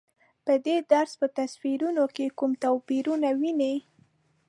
په دې درس په تصویرونو کې کوم توپیرونه وینئ؟